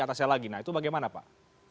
atasnya lagi nah itu bagaimana pak